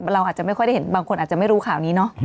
เราอาจจะไม่ค่อยได้เห็นบางคนอาจจะไม่รู้ข่าวนี้เนอะ